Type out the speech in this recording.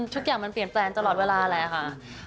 ทุกอย่างมันเปลี่ยนแปลงตลอดเวลาแหละค่ะ